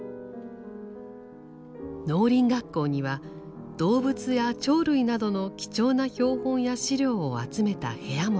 農林学校には動物や鳥類などの貴重な標本や資料を集めた部屋もありました。